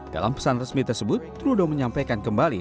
dalam pesan resmi tersebut rudo menyampaikan kembali